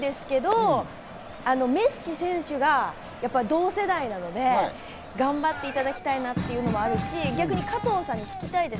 なんですけど、メッシ選手が同世代なので、頑張っていただきたいなというのもあるし、逆に加藤さんに聞きたいです。